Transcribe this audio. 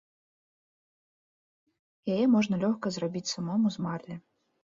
Яе можна лёгка зрабіць самому з марлі.